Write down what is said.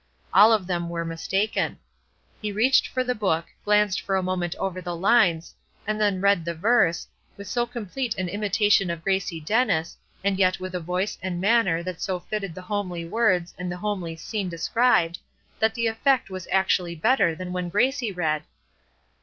All of them were mistaken. He reached for the book, glanced for a moment over the lines, and then read the verse, with so complete an imitation of Gracie Dennis, and yet with a voice and manner that so fitted the homely words and the homely scene described that the effect was actually better than when Gracie read.